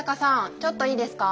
ちょっといいですか？